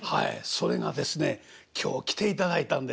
それがですね今日来ていただいたんです。